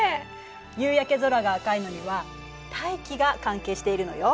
夕焼け空が赤いのには大気が関係しているのよ。